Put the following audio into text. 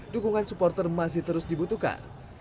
dukungan supporter masih terus dibutuhkan